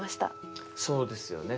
そうですよね。